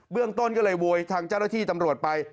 เรื่องต้นก็เลยโวยทางเจ้าหน้าที่ตำรวจไป